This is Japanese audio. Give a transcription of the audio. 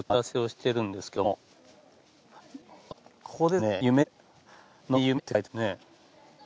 ここですね。